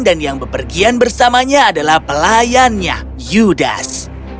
dan yang bepergian bersamanya adalah pelayannya yudas